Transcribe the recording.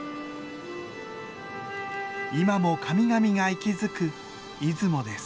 今も神々が息づく出雲です。